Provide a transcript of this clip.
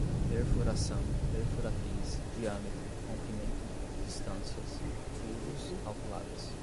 perfuração, perfuratriz, diâmetro, comprimento, distâncias, furos, calculadas